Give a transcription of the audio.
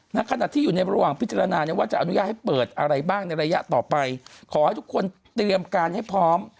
ในระยะต่อไปขอให้ทุกคนเตรียมการให้พร้อม